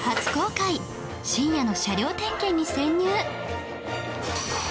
深夜の車両点検に潜入